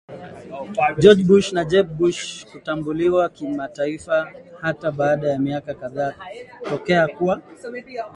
George Bush na Jeb Bush Kutambuliwa kimataifaHata baada ya miaka kadhaa tokea kuwa